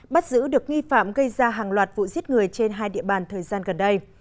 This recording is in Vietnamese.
bắt giữ được nghi phạm gây ra hàng loạt vụ giết người trên hai địa bàn thời gian gần đây